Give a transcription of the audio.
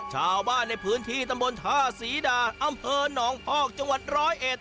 ชาวบ้านในพื้นที่ตำบลท่าศรีดาอำเภอหนองพอกจังหวัดร้อยเอ็ด